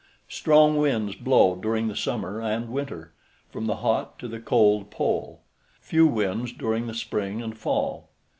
Strong winds blow during the summer and winter, from the hot to the cold pole; few winds during the spring and fall.